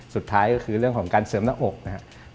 สุดท้ายก็คือเรื่องของการเสริมหน้าอกนะครับ